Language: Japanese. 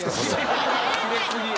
キレ過ぎ。